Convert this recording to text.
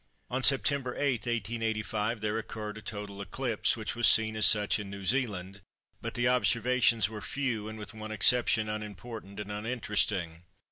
On September 8, 1885, there occurred a total eclipse, which was seen as such in New Zealand, but the observations were few, and with one exception, unimportant and uninteresting.